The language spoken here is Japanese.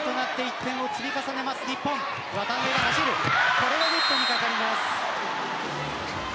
これはネットに掛かります。